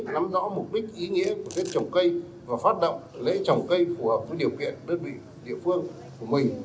nắm rõ mục đích ý nghĩa của việc trồng cây và phát động lấy trồng cây phù hợp với điều kiện đơn vị địa phương của mình